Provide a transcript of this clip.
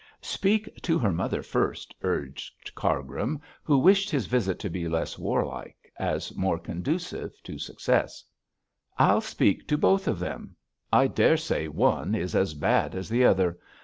'Speak to her mother first,' urged Cargrim, who wished his visit to be less warlike, as more conducive to success. 'I'll speak to both of them. I daresay one is as bad as the other.